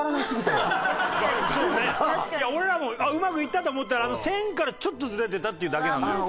俺らもうまくいったと思ったらあの線からちょっとズレてたっていうだけなのよ。